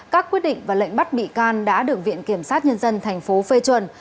các quyết định và lệnh bắt bị can đã được viện kiểm sát nhân dân thành phố phê chuẩn